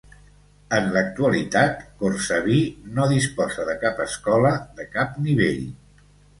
En l'actualitat, Cortsaví no disposa de cap escola, de cap nivell.